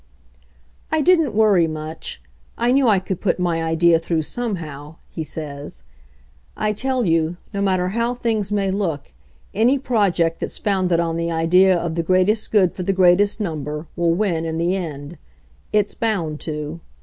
"I didn't worry much. I knew I could put my ; idea through somehow," he says. "I tell you, no matter how things may look, any project that's : founded on the idea of the greatest good for the greatest number will win in the end. It's bound i to."